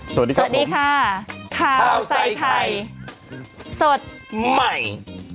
สวัสดีครับผมคราวใส่ไข่สดใหม่